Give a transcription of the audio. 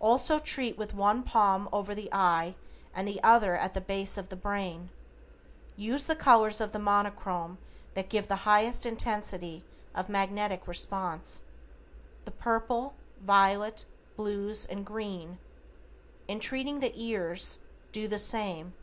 Also treat with one palm over the eye and the other at the base of the brain. Use the colors of the Monochrome that give the highest intensity of magnetic response. The Purple, Violet, Blues, and Green. In treating the ears, do the same.